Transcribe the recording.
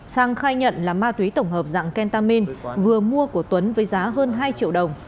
sang khai nhận là ma túy tổng hợp dạng kentamin vừa mua của tuấn với giá hơn hai triệu đồng